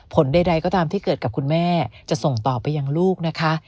ใดก็ตามที่เกิดกับคุณแม่จะส่งต่อไปยังลูกนะคะ